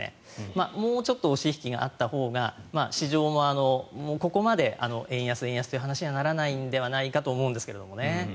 もうちょっと押し引きがあったほうが市場もここまで円安、円安という話にはならないんじゃないかと思うんですけどね。